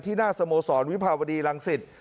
หน้าสโมสรวิภาวดีรังสิต